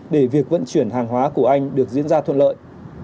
để việc vận chuyển hàng hóa của anh được diễn ra thuận lợi